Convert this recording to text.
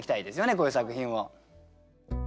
こういう作品を。